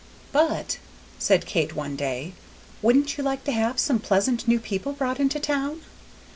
"But," said Kate one day, "wouldn't you like to have some pleasant new people brought into town?"